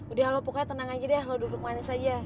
udah halo pokoknya tenang aja deh halo duduk mana saja